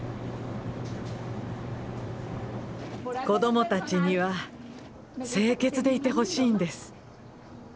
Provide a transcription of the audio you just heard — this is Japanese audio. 子どもたちには清潔でいてほしいんです。